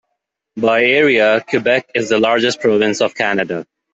By area, Quebec is the largest province of Canada.